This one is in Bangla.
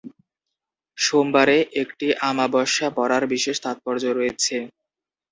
সোমবারে একটি আমাবস্যা পড়ার বিশেষ তাৎপর্য রয়েছে।